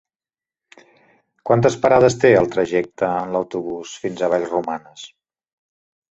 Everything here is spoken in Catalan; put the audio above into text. Quantes parades té el trajecte en autobús fins a Vallromanes?